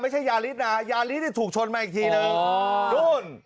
ไม่ใช่ยาฤทนายาฤทนี่ถูกชนมาอีกทีนึงอ๋อนู่น